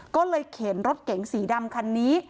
ก็เลยเข็นรถเก๋งสีดำคันนี้